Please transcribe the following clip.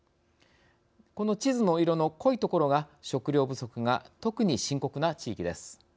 この地図の濃い所が食料不足が特に深刻な地域です。